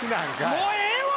もうええわ！